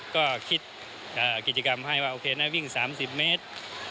ก็คิดกิจกรรมให้ว่าโอเคนะวิ่ง๓๐เมตร